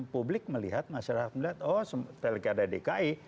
publik melihat masyarakat melihat oh setelah keadaan dki